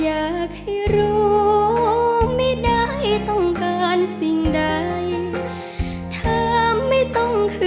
แม้จะเหนื่อยหล่อยเล่มลงไปล้องลอยผ่านไปถึงเธอ